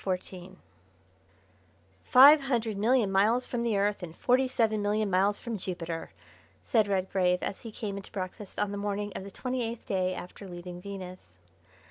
CHAPTER XIV "Five hundred million miles from the Earth, and forty seven million miles from Jupiter," said Redgrave as he came into breakfast on the morning of the twenty eighth day after leaving Venus.